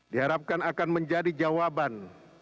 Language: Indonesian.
diharapkan akan menjadi jawaban